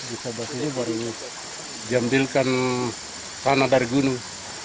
bisa bahas ini baru jambilkan tanah dari gunung